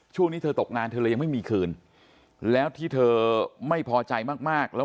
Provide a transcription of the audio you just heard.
ช่วงนี้เธอตกงานเธอเลยยังไม่มีคืนแล้วที่เธอไม่พอใจมากมากแล้ว